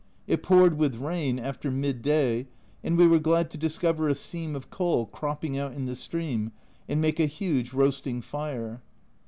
It poured with rain after mid day, and we were glad to discover a seam of coal cropping out in the stream, and make a huge roasting fire.